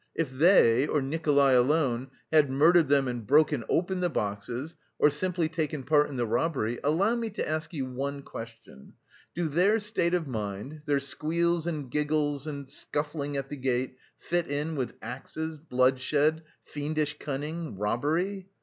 If they, or Nikolay alone, had murdered them and broken open the boxes, or simply taken part in the robbery, allow me to ask you one question: do their state of mind, their squeals and giggles and childish scuffling at the gate fit in with axes, bloodshed, fiendish cunning, robbery?